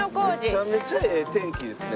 めちゃめちゃええ天気ですね。